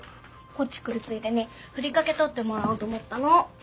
こっち来るついでにふりかけ取ってもらおうと思ったの。